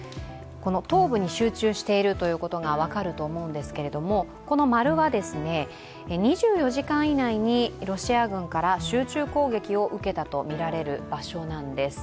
東部に集中していることが分かると思うんですけどこの丸は、２４時間以内にロシア軍から集中攻撃を受けたとみられる場所なんです。